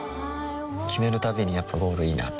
決めるたびにやっぱゴールいいなってふん